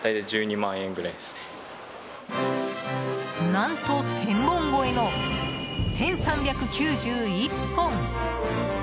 何と１０００本超えの１３９１本。